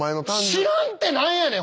知らんって何やねん？